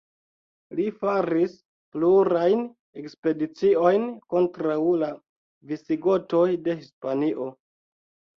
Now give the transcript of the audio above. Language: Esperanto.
Li faris plurajn ekspediciojn kontraŭ la Visigotoj de Hispanio.